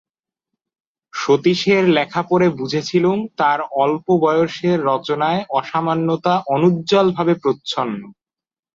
সতীশের লেখা পড়ে বুঝেছিলুম তাঁর অল্প বয়সের রচনায় অসামান্যতা অনুজ্জ্বলভাবে প্রচ্ছন্ন।